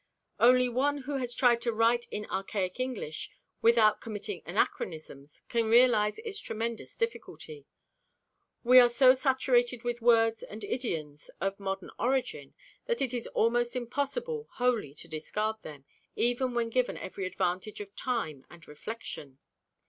Only one who has tried to write in archaic English without committing anachronisms can realize its tremendous difficulty. We are so saturated with words and idioms of modern origin that it is almost impossible wholly to discard them, even when given every advantage of time and reflection.